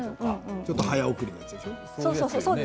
ちょっと早送りのやつでしょ？